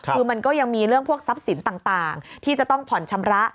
คือมันก็ยังมีเรื่องพวกทรัพย์สินต่างที่จะต้องผ่อนชำระ